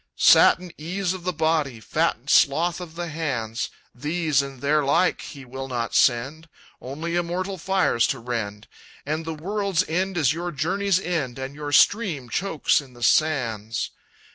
"Satin ease of the body, Fattened sloth of the hands, These and their like he will not send, Only immortal fires to rend And the world's end is your journey's end, And your stream chokes in the sands.